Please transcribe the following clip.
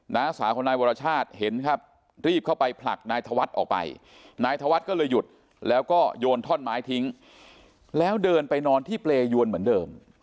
้าสาวของนายวรชาติเห็นครับรีบเข้าไปผลักนายธวัฒน์ออกไปนายธวัฒน์ก็เลยหยุดแล้วก็โยนท่อนไม้ทิ้งแล้วเดินไปนอนที่เปรยวนเหมือนเดิม